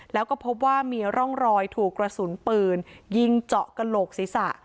แล้วก็พบว่ามีร่องรอยถูกกระสุนปืนยิงเจาะกระโหลกศีรษะ